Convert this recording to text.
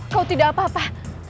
kau tidak apa apa